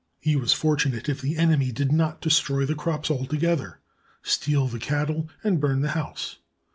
He was fortu nate if the enemy did not destroy the crops altogether, steal the cattle, and bum the house.